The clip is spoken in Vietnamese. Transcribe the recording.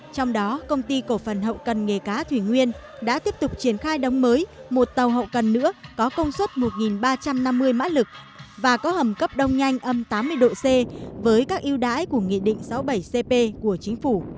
trong đó công ty cổ phần hậu cần nghề cá thủy nguyên đã tiếp tục triển khai đóng mới một tàu hậu cần nữa có công suất một ba trăm năm mươi mã lực và có hầm cấp đông nhanh âm tám mươi độ c với các yêu đái của nghị định sáu mươi bảy cp của chính phủ